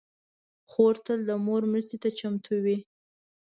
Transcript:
خور تل د مور مرستې ته چمتو وي.